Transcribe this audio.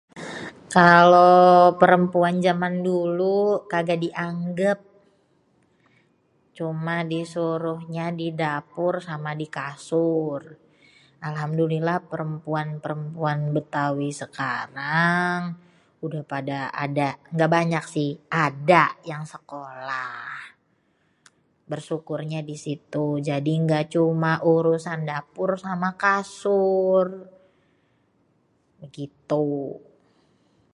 Kalo perempuan jaman dulu kaga dianggêp. Cuma disuruhnya di dapur sama di kasur. Alhamdulillah perempuan-perempuan bêtawi sekarang udah pada ada, nggak banyak sih, ada yang sekolah. Bersyukurnya di situ jadi nggak cuma urusan dapur sama kasur, gitu.